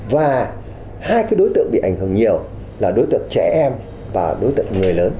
và hai đối tượng bị ảnh hưởng nhiều là đối tượng trẻ em và đối tượng người lớn